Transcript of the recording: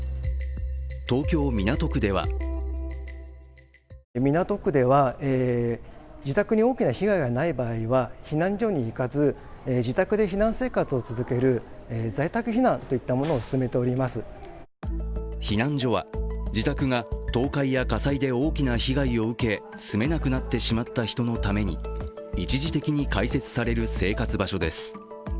東京・港区では避難所は自宅が倒壊や火災で大きな被害を受け住めなくなってしまった人のために一時的に開設される生活場所です。